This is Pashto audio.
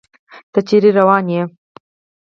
ته چيرته روان يې